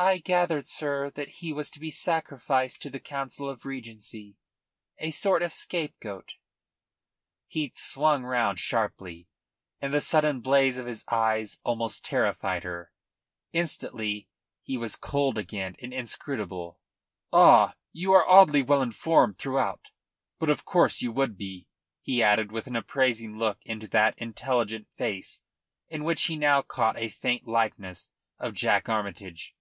"I gathered, sir, that he was to be sacrificed to the Council of Regency a sort of scapegoat." He swung round sharply, and the sudden blaze of his eyes almost terrified her. Instantly he was cold again and inscrutable. "Ah! You are oddly well informed throughout. But of course you would be," he added, with an appraising look into that intelligent face in which he now caught a faint likeness of Jack Armytage.